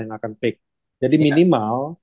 yang akan peak jadi minimal